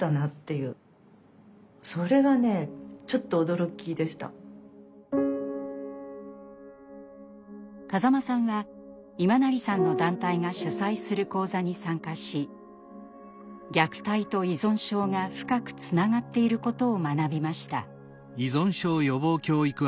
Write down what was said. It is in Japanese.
何で風間さんは今成さんの団体が主催する講座に参加し虐待と依存症が深くつながっていることを学びました。